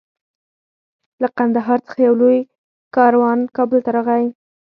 له قندهار څخه یو لوی کاروان کابل ته راغی.